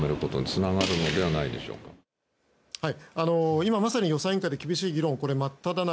今まさに予算委員会で厳しい議論の真っただ中。